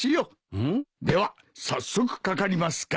うん？では早速かかりますか。